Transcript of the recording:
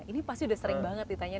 ini pasti udah sering banget di tanya kan